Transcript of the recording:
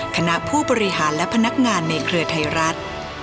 คณะผู้บริหารและพนักงานในเครือไทยรัฐ